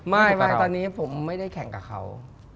ไม่ตอนนี้ผมไม่ได้แข่งกับเขา